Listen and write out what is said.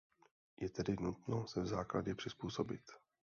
Je tedy nutno se v základě přizpůsobit.